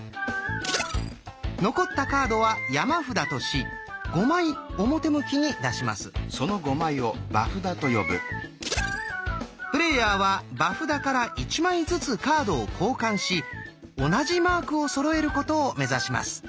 残ったカードは山札としプレーヤーは場札から１枚ずつカードを交換し同じマークをそろえることを目指します。